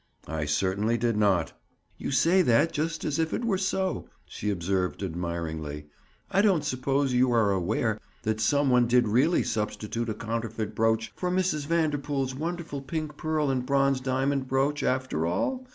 "I certainly did not." "You say that just as if it were so," she observed admiringly. "I don't suppose you are aware that some one did really substitute a counterfeit brooch for Mrs. Vanderpool's wonderful pink pearl and bronze diamond brooch, after all?